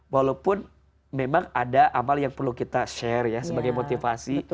walaupun memang ada amal yang perlu kita share ya sebagai motivasi